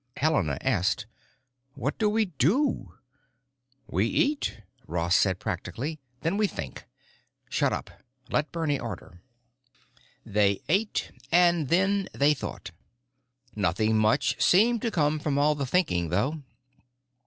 Helena asked, "What do we do?" "We eat," Ross said practically. "Then we think. Shut up; let Bernie order." They ate; and then they thought. Nothing much seemed to come from all the thinking, though.